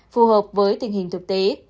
phù hợp với tình hình thực tế